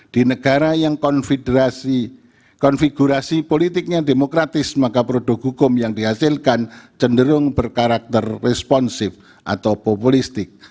di negara yang konfiderasi konfigurasi politiknya demokratis maka produk hukum yang dihasilkan cenderung berkarakter responsif atau populistik